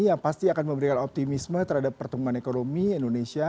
yang pasti akan memberikan optimisme terhadap pertumbuhan ekonomi indonesia